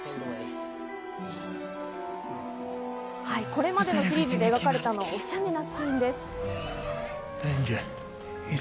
これまでのシリーズで描かれたのは、お茶目なシーンです。